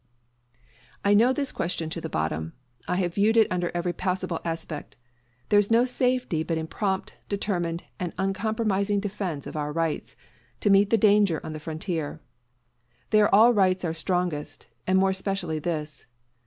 I know this question to the bottom. I have viewed it under every possible aspect. There is no safety but in prompt, determined, and uncompromising defense of our rights to meet the danger on the frontier. There all rights are strongest, and more especially this.